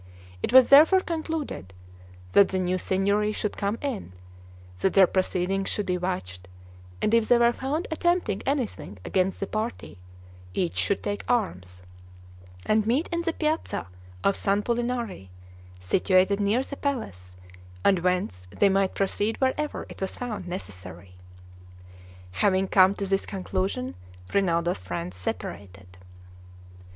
It was therefore concluded, that the new Signory should come in; that their proceedings should be watched, and if they were found attempting anything against the party, each should take arms, and meet in the piazza of San Pulinari, situated near the palace, and whence they might proceed wherever it was found necessary. Having come to this conclusion, Rinaldo's friends separated.